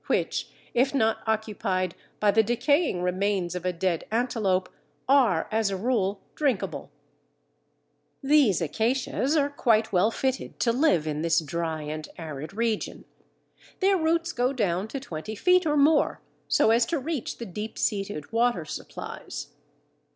which, if not occupied by the decaying remains of a dead antelope, are, as a rule, drinkable. Naturalist in Mid Africa. These acacias are quite well fitted to live in this dry and arid region. Their roots go down to twenty feet or more, so as to reach the deep seated water supplies.